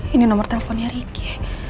ini nomor telponnya ricky